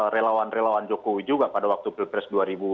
relawan relawan joko widjo juga pada waktu pilpres dua ribu tujuh belas